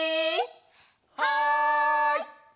はい！